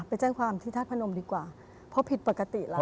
ไปแจ้งความที่ธาตุพนมดีกว่าเพราะผิดปกติแล้ว